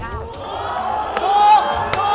ถูก